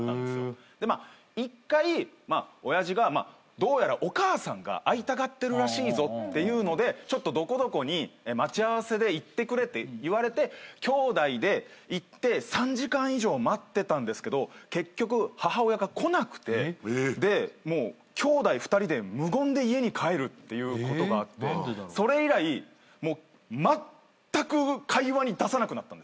まあ１回親父がどうやらお母さんが会いたがってるらしいぞっていうのでちょっとどこどこに待ち合わせで行ってくれって言われて兄弟で行って３時間以上待ってたんですけど結局母親が来なくてでもう兄弟２人で無言で家に帰るっていうことがあってそれ以来まったく会話に出さなくなったんですよ。